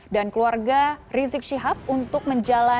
dan keluarga rizik syihab untuk menjalankan